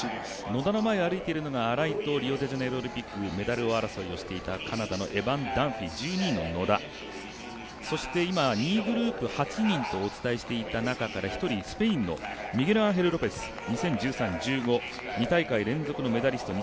野田の前を歩いているのが荒井とメダル争いをしていたカナダのエバン・ダンフィー、１２位の野田、そして今２位グループ８人とお伝えしていた中から１人、スペインのミゲル・アンヘル・ロペス２０１３、２０１５、２大会連続のメダリスト